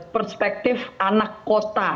perspektif anak kota